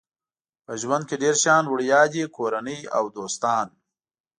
په ژوند کې ډېر شیان وړیا دي کورنۍ او دوستان.